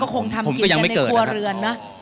ก็คงทำกินกันในครัวเรือนนะ